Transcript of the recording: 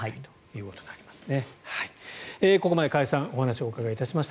ここまで加谷さんお話をお伺いしました。